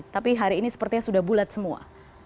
tapi hari ini sepertinya sudah bulat semua